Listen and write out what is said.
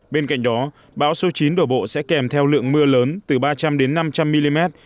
bên cạnh đó bão số chín đổ bộ sẽ kèm theo lượng mưa lớn từ ba trăm linh đến năm trăm linh mm